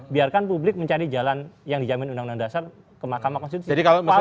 biarkan publik mencari jalan yang dijamin undang undang dasar ke mahkamah konstitusi